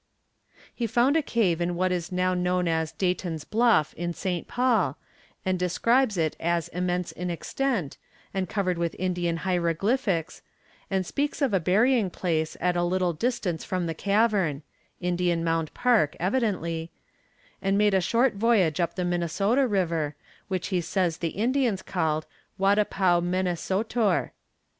He found a cave in what is now known as Dayton's Bluff in St. Paul, and describes it as immense in extent, and covered with Indian hieroglyphics, and speaks of a burying place at a little distance from the cavern, Indian Mound park evidently, and made a short voyage up the Minnesota river, which he says the Indians called "Wadapaw Mennesotor."